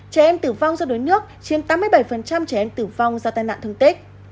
trẻ em tử vong do đuối nước chiếm tám mươi bảy trẻ em tử vong do tai nạn thương tích